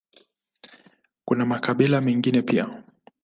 Kuna makabila mengine pia.